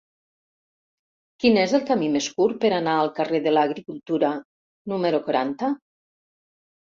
Quin és el camí més curt per anar al carrer de l'Agricultura número quaranta?